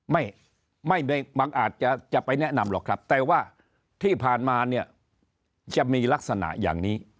ไม่ไม่มันอาจจะจะไปแนะนำหรอกครับแต่ว่าที่ผ่านมาเนี่ยจะมีลักษณะอย่างนี้